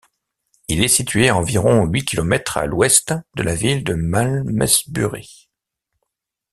Il est situé à environ huit kilomètres à l'ouest de la ville de Malmesbury.